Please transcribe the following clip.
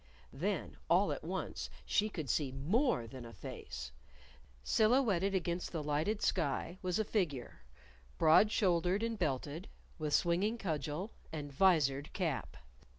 Then, all at once, she could see more than a face! Silhouetted against the lighted sky was a figure broad shouldered and belted, with swinging cudgel, and visored cap.